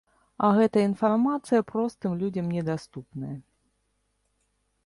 А гэтая інфармацыя простым людзям недаступная.